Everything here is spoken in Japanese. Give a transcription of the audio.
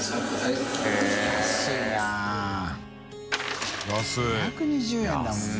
造ぁ２２０円だもんね。